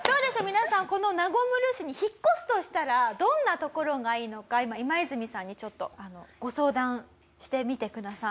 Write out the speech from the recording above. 皆さんこの中村市に引っ越すとしたらどんな所がいいのか今イマイズミさんにちょっとご相談してみてください。